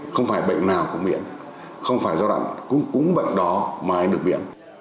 không phải bệnh nào có miễn không phải giai đoạn cũng bệnh đó mà anh được miễn